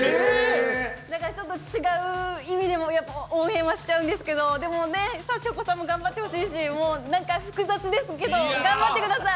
だから違う意味でも応援はしちゃうんですけど、でもシャチホコさんも頑張ってほしいしもう、なんか、複雑ですけど頑張ってください。